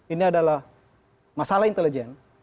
ini adalah masalah intelijen